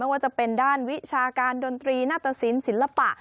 ไม่ว่าจะเป็นด้านวิชาการดนตรีณศิลปะ